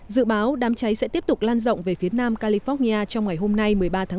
dự báo đám cháy sẽ tiếp tục lan rộng về phía nam california trong ngày hôm nay